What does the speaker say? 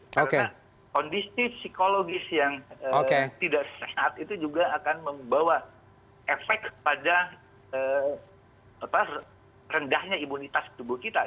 karena kondisi psikologis yang tidak sehat itu juga akan membawa efek pada rendahnya imunitas tubuh kita